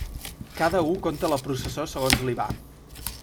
Cada u conta la processó segons li va.